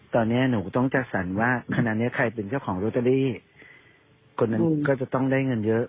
คนนั้นก็จะต้องได้เงินเยอะ